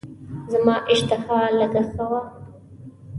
زما اشتها لږه ښه وه.